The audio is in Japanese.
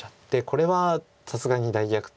これはさすがに大逆転。